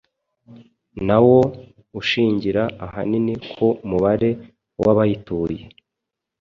nawo ushingira ahanini ku mubare w'abayituye.